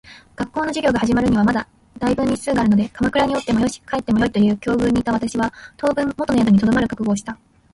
学校の授業が始まるにはまだ大分日数があるので鎌倉におってもよし、帰ってもよいという境遇にいた私は、当分元の宿に留まる覚悟をした。